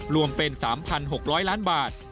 รวมเป็น๓๖๐๐ล้านบาท